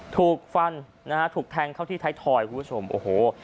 ถูกฟันนะฮะถูกแทงเข้าที่ไทยทอยคุณผู้ชมโอ้โห